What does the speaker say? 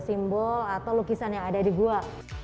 simbol atau lukisan yang ada di gua